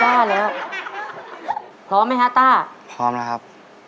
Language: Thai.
ตัวเลือดที่๓ม้าลายกับนกแก้วมาคอ